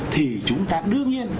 thì chúng ta đương nhiên